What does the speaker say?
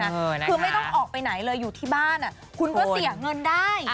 คือไม่ต้องออกไปไหนเลยอยู่ที่บ้านคุณก็เสียเงินได้